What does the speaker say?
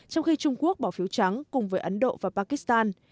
trong khi trung quốc bỏ phiếu trắng cùng với ấn độ và pakistan